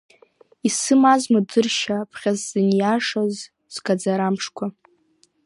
Исымазма дыршьа, ԥхьа сзыниашаз, сгаӡарамшқәа…